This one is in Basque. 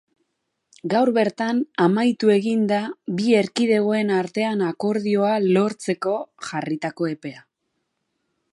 Gaur bertan amaitu egin da bi erkidegoen artean akordioa lortzeko jarritako epea.